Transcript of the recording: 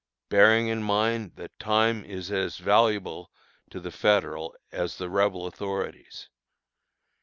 bearing in mind that time is as valuable to the Federal as the Rebel authorities.